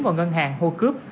vào ngân hàng hô cướp